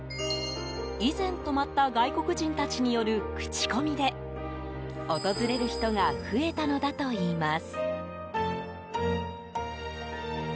以前泊まった外国人たちによるクチコミで訪れる人が増えたのだといいます。